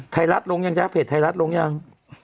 ไทรัสลงยังยังภัยไทรัสลงยัง